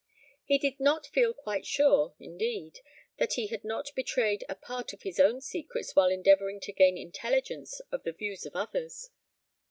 He did not feel quite sure, indeed, that he had not betrayed a part of his own secrets while endeavouring to gain intelligence of the views of others.